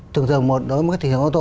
thường dường một đối với thị trường ô tô